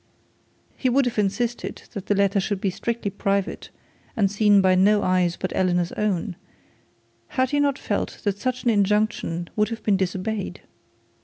He would have insisted that the letter should be strictly private and seen by no eyes but Eleanor's own, had he not felt that such an injunction would have been disobeyed.